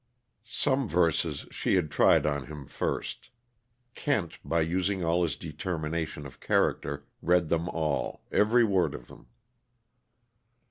Some verses she had tried on him first. Kent, by using all his determination of character, read them all, every word of them.